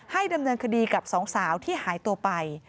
ดำเนินคดีกับสองสาวที่หายตัวไป